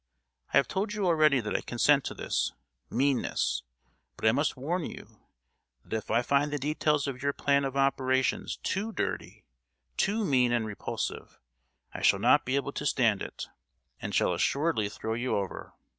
I have told you already that I consent to this——meanness; but I must warn you that if I find the details of your plan of operations too dirty, too mean and repulsive, I shall not be able to stand it, and shall assuredly throw you over.